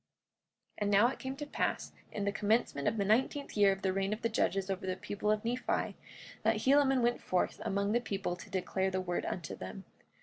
45:20 And now it came to pass in the commencement of the nineteenth year of the reign of the judges over the people of Nephi, that Helaman went forth among the people to declare the word unto them.